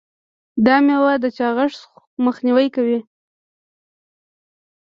دا میوه د چاغښت مخنیوی کوي.